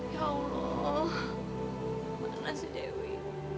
ya allah mana sih dewi